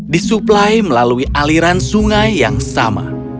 disuplai melalui aliran sungai yang sama